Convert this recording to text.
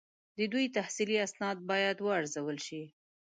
د دوی تحصیلي اسناد باید وارزول شي.